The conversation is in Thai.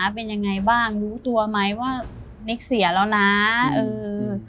เป็นยังไงบ้างรู้ตัวไหมว่านิกเสียแล้วนะเออ